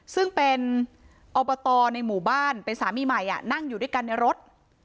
ซึ่งเป็นอบตในหมู่บ้านเป็นสามีใหม่นั่งอยู่ด้วยกันในรถ